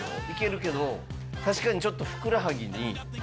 いけるけど確かにちょっとふくらはぎに。